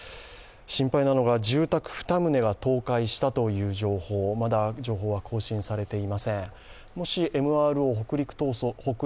心配なのが住宅２棟が倒壊したという情報まだ情報は更新されていません。